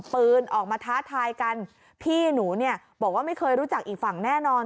ปืนออกมาท้าทายกันพี่หนูเนี่ยบอกว่าไม่เคยรู้จักอีกฝั่งแน่นอน